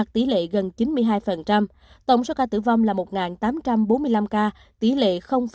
tổng số ca tử vong là một tám trăm bốn mươi năm ca tỷ lệ năm mươi bốn